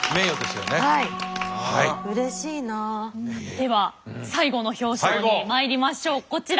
では最後の表彰にまいりましょうこちら。